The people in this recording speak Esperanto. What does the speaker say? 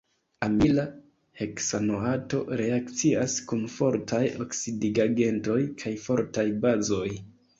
Amila heksanoato reakcias kun fortaj oksidigagentoj kaj fortaj bazoj.